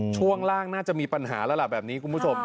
ช่วงล่างน่าจะมีปัญหาแล้วล่ะแบบนี้คุณผู้ชม